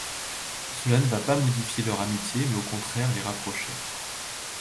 Cela ne va pas modifier leur amitié, mais au contraire les rapprocher.